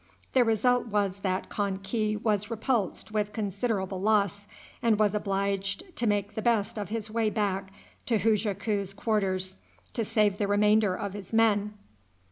The result was that Kan ki was repulsed with considerable loss, and was obliged to make the best of his way back to Hujaku's quarters to save the remainder of his men.